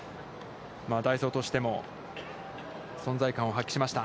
代走としても存在感を発揮しました。